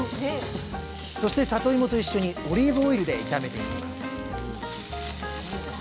そしてさといもと一緒にオリーブオイルで炒めていきます